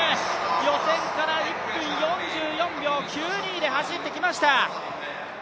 予選から１分４４秒９２で走ってきました。